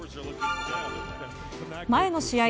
前の試合